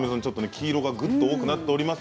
黄色がぐっと多くなっています。